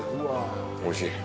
おいしい！